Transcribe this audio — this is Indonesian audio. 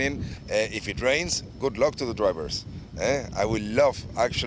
jika hujan terlampau semoga beruntung untuk pengguna